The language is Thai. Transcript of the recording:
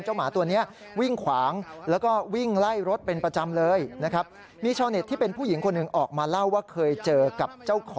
หมาตัวนี้วิ่งขวางแล้วก็วิ่งไล่รถเป็นประจำเลยนะครับ